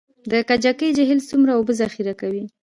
د کجکي جهیل څومره اوبه ذخیره کوي؟